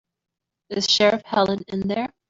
Is Sheriff Helen in there?